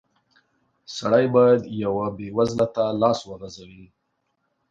سړی بايد يوه بېوزله ته لاس وغزوي.